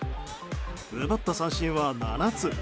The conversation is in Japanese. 奪った三振は７つ。